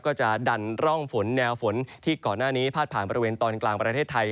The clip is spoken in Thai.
ก็จะดันร่องฝนแนวฝนที่ก่อนหน้านี้พาดผ่านบริเวณตอนกลางประเทศไทย